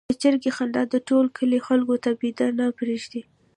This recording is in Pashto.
د چرګې خندا د ټول کلي خلکو ته بېده نه پرېږدي.